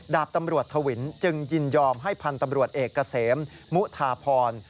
ดาบตำรวจทวินจึงยินยอมให้พันธ์ตำรวจเอกเกษมมุทาพร